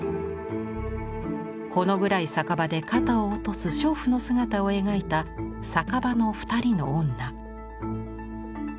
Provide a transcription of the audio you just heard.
ほの暗い酒場で肩を落とす娼婦の姿を描いた「酒場の二人の女」。